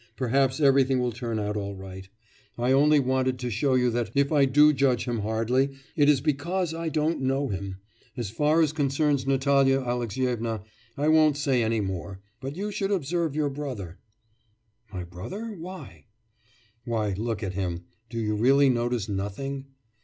Perhaps everything will turn out all right. I only wanted to show you that, if I do judge him hardly, it is not because I don't know him. ... As far as concerns Natalya Alexyevna, I won't say any more, but you should observe your brother.' 'My brother! Why?' 'Why, look at him. Do you really notice nothing?